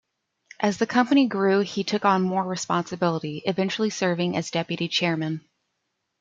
As the company grew he took on more responsibility, eventually serving as deputy chairman.